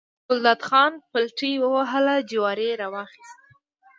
ګلداد خان پلتۍ ووهله، جواری یې راواخیست.